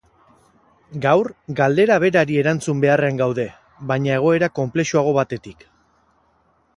Gaur, galdera berari erantzun beharrean gaude, baina egoera konplexuago batetik.